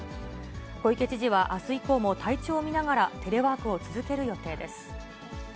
小池知事はあす以降も、体調を見ながらテレワークを続ける予定です。